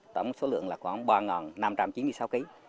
tấm số lượng là khoảng ba năm trăm chín mươi sáu ký